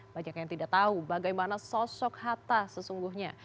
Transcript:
banyak yang tidak tahu bagaimana sosok hatta sesungguhnya